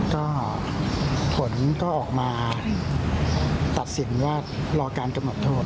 ก็ผลก็ออกมาตัดสินว่ารอการกำหนดโทษ